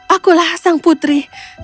akulah sang putri